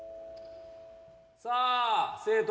さあ生徒